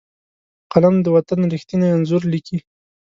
قلم د وطن ریښتیني انځور لیکي